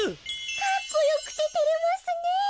かっこよくててれますねえ。